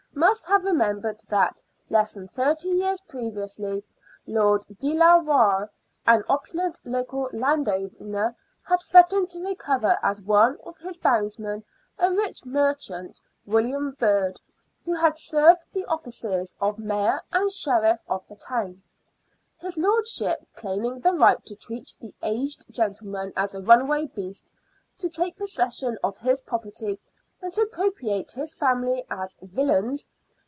must have remembered that, less than thirty years previously Lord de la Waire, an opulent local landowner, had threatened to recover as one of his bondsmen a rich merchant, William Bird, who 30 INTERFERENCE OF ANNE BOLEYN. 31 had served the offices of Mayor and Sheriff of the town, his lordship claiming the right to treat the aged gentleman as a runaway beast, to take possession of his property, and to appropriate his family as " villeins."